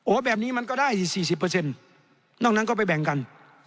แบบนี้มันก็ได้อีก๔๐นอกนั้นก็ไปแบ่งกัน